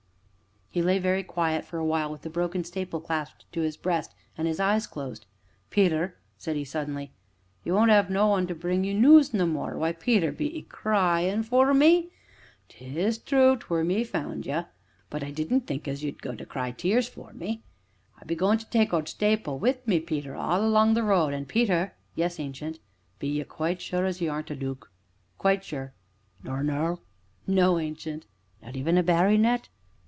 He lay very quiet for a while, with the broken staple clasped to his breast, and his eyes closed. "Peter," said he suddenly, "you won't 'ave no one to bring you noos no more why, Peter! be 'ee cryin' for me? 'Tis true 't were me as found ye, but I didn't think as you'd go to cry tears for me I be goin' to tak' t' owd stapil wi' me, Peter, all along the road an', Peter " "Yes, Ancient?" "Be you quite sure as you aren't a dook?" "Quite sure." "Nor a earl?" "No, Ancient." "Not even a barrynet?"